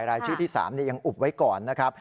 รายชื่อที่๓ยังอุบไว้ก่อนนะครับ